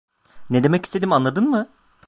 Ne demek istediğimi anladın mı?